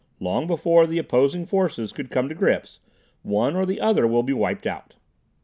Long before the opposing forces could come to grips, one or the other will be wiped out."